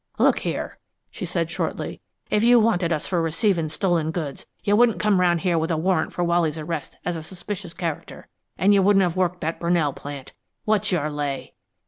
"Look here!" she said, shortly. "If you wanted us for receiving stolen goods, you wouldn't come around here with a warrant for Wally's arrest as a suspicious character, an' you wouldn't have worked that Brunell plant. What's your lay?"